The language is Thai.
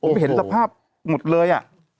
ผมเห็นสภาพหมดเลย